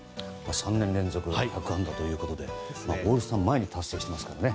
３年連続ということでオールスター前に達成していますからね。